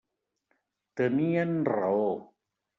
Tenien raó.